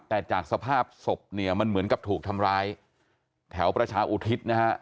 แต่จากสภาพศพเนี่ยมันเหมือนกับถูกทำร้ายแถวประชาอุทิศนะฮะ